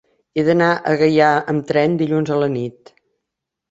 He d'anar a Gaià amb tren dilluns a la nit.